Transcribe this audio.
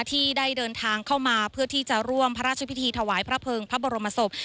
ที่ได้เดินทางเข้ามาเพื่อที่จะร่วมพระราชพิธีถวายพระเภิงพระบรมศพ